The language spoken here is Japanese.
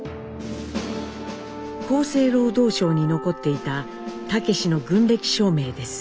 厚生労働省に残っていた武の軍歴証明です。